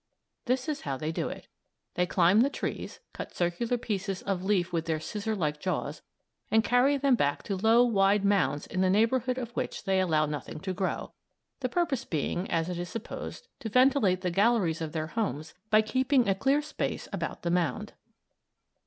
This is how they do it. They climb the trees, cut circular pieces of leaf with their scissor like jaws and carry them back to low, wide mounds in the neighborhood of which they allow nothing to grow; the purpose being, as it is supposed, to ventilate the galleries of their homes by keeping a clear space about the mound.